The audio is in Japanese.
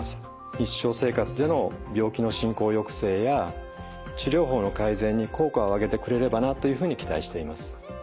日常生活での病気の進行抑制や治療法の改善に効果を上げてくれればなというふうに期待しています。